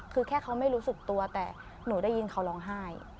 คือแค่เขาไม่รู้สึกตัวแต่หนูได้ยินเขาร้องไห้